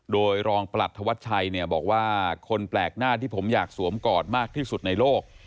โดยรองประหลัดธวัชชัยเนี่ยบอกว่าคนแปลกหน้าที่ผมอยากสวมกอดมากที่สุดในโลก